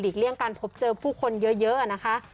เลี่ยงการพบเจอผู้คนเยอะนะคะ